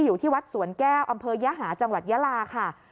อยู่ที่วัดสวนแก้วอำเภอยหาจังหวัดยาลาค่ะ